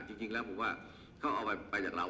จริงแล้วผมว่าเขาเอาไปจากเรา